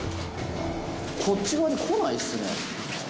こっち側に来ないですね。